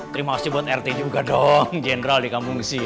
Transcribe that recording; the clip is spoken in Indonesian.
terima kasih buat rt juga dong general dikampung sini